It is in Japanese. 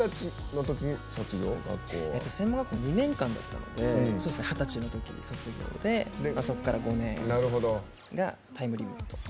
専門学校は２年間だったので二十歳のときに卒業でそこから５年がタイムリミット。